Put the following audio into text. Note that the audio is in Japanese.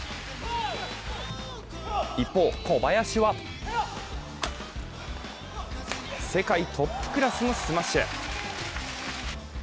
一方、小林は世界トップクラスのスマッシュ。